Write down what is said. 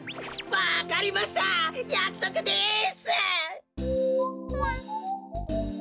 わかりましたやくそくです！